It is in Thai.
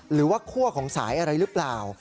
หรือว่าคั่วของสายอะไรหรือเปล่า